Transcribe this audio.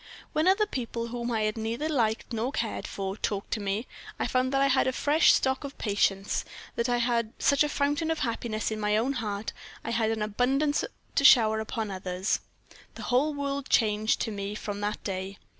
When other people, whom I had neither liked nor cared for, talked to me, I found that I had a fresh stock of patience that I had such a fountain of happiness in my own heart I had abundance to shower upon others. The whole world changed to me from that day.